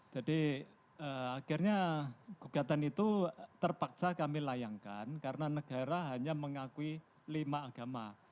jadi akhirnya gugatan itu terpaksa kami layangkan karena negara hanya mengakui lima agama